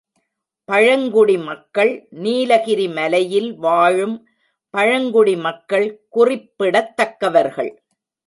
பழங்குடி மக்கள் நீலகிரி மலையில் வாழும் பழங்குடி மக்கள் குறிப்பிடத்தக்கவர்கள்.